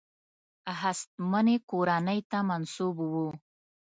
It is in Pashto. هستمنې کورنۍ ته منسوب وو.